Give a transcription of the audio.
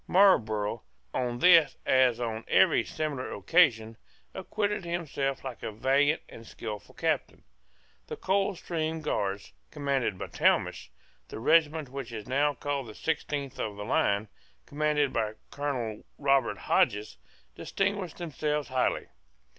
Marlborough, on this as on every similar occasion, acquitted himself like a valiant and skilful captain. The Coldstream Guards commanded by Talmash, and the regiment which is now called the sixteenth of the line, commanded by Colonel Robert Hodges, distinguished themselves highly.